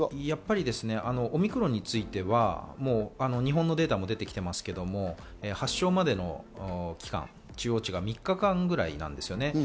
やっぱりオミクロンについては日本のデータも出てきていますけど、発症までの期間、中央値が３日間ぐらいなんですね。